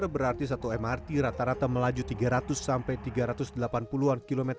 berarti satu mrt rata rata melaju tiga ratus sampai tiga ratus delapan puluh an km